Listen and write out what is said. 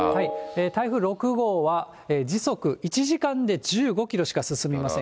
台風６号は、時速１時間で１５キロしか進みません。